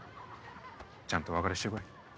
ちゃんとお別れして来い。